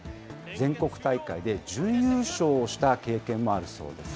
全国大会で準優勝をした経験もあるそうです。